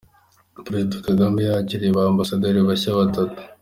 Perezida Kagame yakiriye ba Ambasaderi bashya batatu